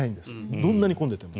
どんなに混んでいても。